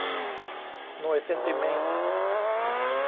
หน่วยเซนติเมตร